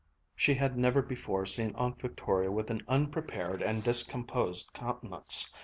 She had never before seen Aunt Victoria with an unprepared and discomposed countenance.